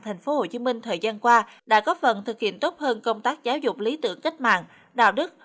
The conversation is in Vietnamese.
thành phố hồ chí minh thời gian qua đã có phần thực hiện tốt hơn công tác giáo dục lý tưởng cách mạng đạo đức